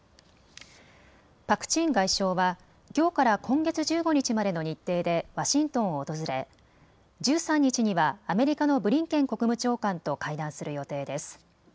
パク・チン外相はきょうから今月１５日までの日程でワシントンを訪れ１３日にはアメリカのブリンケン国務長官と会談する予定です。